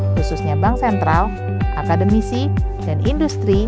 khususnya bank sentral akademisi dan industri